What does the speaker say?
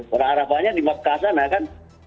karena arafahnya di mekah sana kan